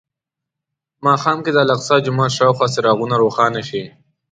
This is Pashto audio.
په ماښام کې د الاقصی جومات شاوخوا څراغونه روښانه شي.